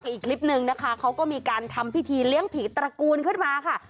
อีกคลิปนึงนะคะเขาก็มีการทำพิธีเลี้ยงผีตระกูลขึ้นมาค่ะ